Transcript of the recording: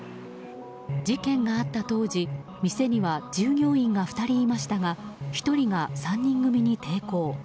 事件があった当時店には従業員が２人いましたが１人が３人組に抵抗。